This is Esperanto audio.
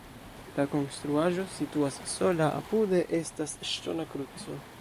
La konstruaĵo situas sola, apude estas ŝtona kruco.